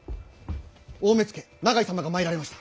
大目付永井様が参られました。